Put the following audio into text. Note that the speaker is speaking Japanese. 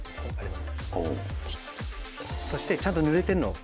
そしてちゃんとぬれて。